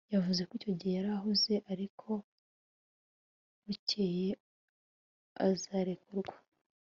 yavuze ko icyo gihe yari ahuze, ariko ko bukeye azarekurwa